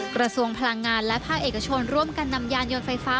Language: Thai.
กระทรวงพลังงานและภาคเอกชนร่วมกันนำยานยนต์ไฟฟ้า